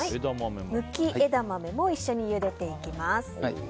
むき枝豆も一緒にゆでていきます。